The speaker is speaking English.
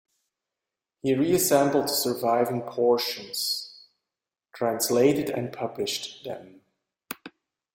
He reassembled the surviving portions, translated and published them.